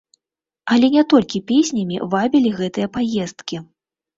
Але не толькі песнямі вабілі гэтыя паездкі.